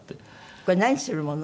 これ何するもの？